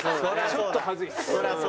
ちょっと恥ずいです。